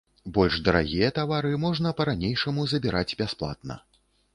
Больш дарагія тавары можна па-ранейшаму забіраць бясплатна.